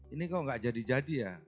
ini kok nggak jadi jadi ya